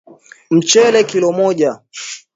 Mchele Kilo moja